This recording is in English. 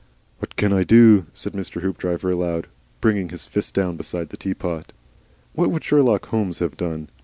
"What CAN I do?" said Mr. Hoopdriver aloud, bringing his fist down beside the teapot. What would Sherlock Holmes have done?